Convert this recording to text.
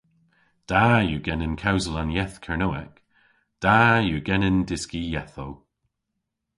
Da yw genen kewsel an yeth Kernewek. Da yw genen dyski yethow.